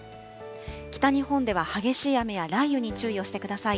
北日本では激しい雨や雷雨に注意をしてください。